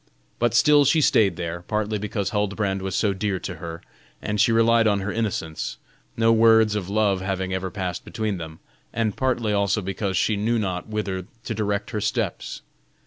But still she stayed there, partly because Huldbrand was so dear to her, and she relied on her innocence, no words of love having ever passed between them, and partly also because she knew not whither to direct her steps.